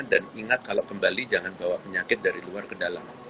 dan ingat kalau kembali jangan bawa penyakit dari luar ke dalam